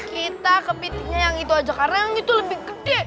kita kepitingnya yang itu aja karena itu lebih gede